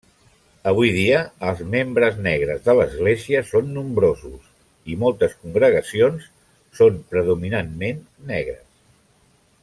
Avui dia, els membres negres de l'Església són nombrosos i moltes congregacions són predominantment negres.